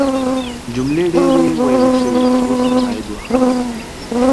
جملې ډیرې ویل شوي اوس د تایید وخت دی.